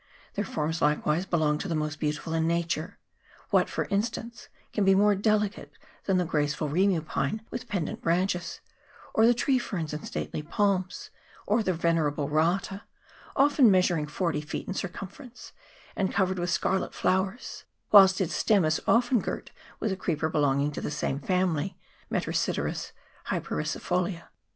Their forms likewise belong to the most beautiful in nature : what, for instance, can be more delicate than the graceful rimu pine with pendent branches ; or the tree ferns and stately palms ; or the venerable rata, often mea suring forty feet in circumference, and covered with scarlet flowers whilst its stem is often girt with a creeper belonging to the same family (Metrosideros hypericifolia)